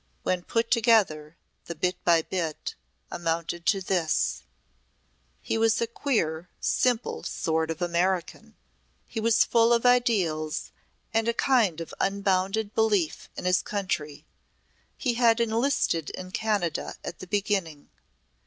When put together the "bit by bit" amounted to this: "He was a queer, simple sort of American. He was full of ideals and a kind of unbounded belief in his country. He had enlisted in Canada at the beginning.